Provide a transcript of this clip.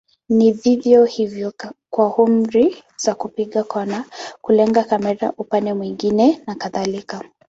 Ni vivyo hivyo kwa amri za kupiga kona, kulenga kamera upande mwingine na kadhalika.